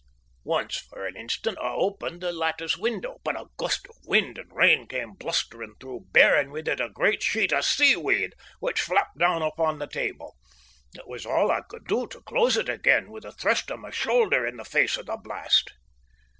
Once for an instant I opened the lattice window, but a gust of wind and rain came blustering through, bearing with it a great sheet of seaweed, which flapped down upon the table. It was all I could do to close it again with a thrust of my shoulder in the face of the blast.